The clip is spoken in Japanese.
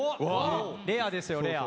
レアですよレア。